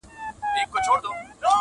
د ماشومتوب او د بنګړیو وطن؛